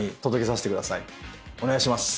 お願いします。